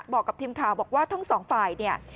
บอกกับทีมข่าวบอกว่าทั้งสองฝ่ายเนี่ย